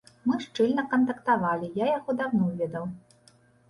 Мы шчыльна кантактавалі, я яго даўно ведаў.